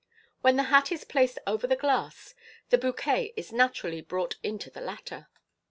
When the hat te placed over the glass, the bouquet is naturally brought into the latter.